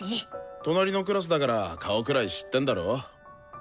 隣のクラスだから顔くらい知ってんだろ？